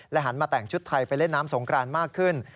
หันมาแต่งชุดไทยไปเล่นน้ำสงกรานมากขึ้น